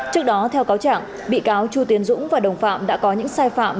trước đó theo cáo trạng bị cáo chu tiến dũng và đồng phạm đã có những sai phạm